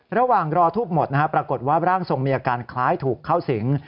ระหว่างรอทูบหมดนะครับปรากฏว่าร่างทรงมีอาการคล้ายถูกเข้าสิง